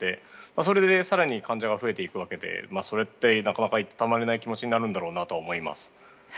それで更に患者が増えていくわけでそれって、なかなかいたたまれない気持ちになるんだろうなと思います。